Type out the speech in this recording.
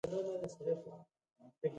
غوږونه د ګناهونو غږ نه تښتي